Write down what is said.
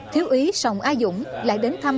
thiếu ý sòng a dũng lại đến thăm